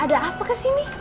ada apa kesini